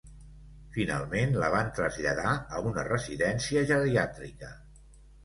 Finalment, la van traslladar a una residència geriàtrica.